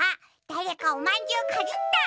だれかおまんじゅうかじった！